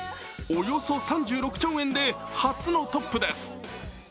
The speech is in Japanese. およそ３６兆円で初のトップです。